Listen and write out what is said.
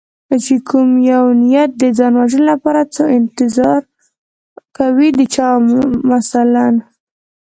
چې کوم یو نیت د ځان وژنې لري څو انتظار کوي د چا مثلا